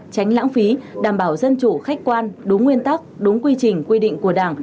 tránh lãng phí đảm bảo dân chủ khách quan đúng nguyên tắc đúng quy trình quy định của đảng